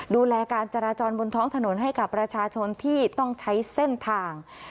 ดูแลการจราจรบนท้องถนนให้กับประชาชนที่ต้องใช้เส้นทาง